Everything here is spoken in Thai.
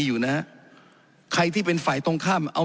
ขออนุโปรประธานครับขออนุโปรประธานครับขออนุโปรประธานครับ